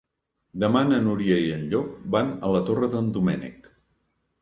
Demà na Núria i en Llop van a la Torre d'en Doménec.